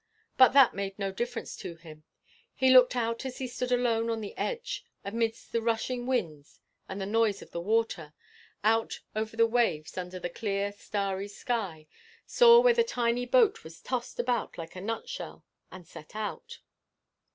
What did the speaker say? But that made no difference to him. He looked out as he stood alone on the edge amidst the rushing wind and the noise of the water, out over the waves under the clear, starry sky, saw where the tiny boat was tossed about like a nutshell, and set out."